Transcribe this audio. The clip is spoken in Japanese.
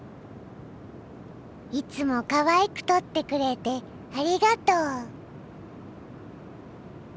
いつもかわいく撮ってくれてありがとう。